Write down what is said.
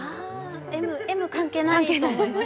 Ｍ関係ないと思います。